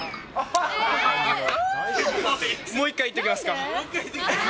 もう一回いっときますか。